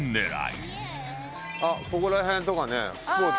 あっここら辺とかねスポーツ。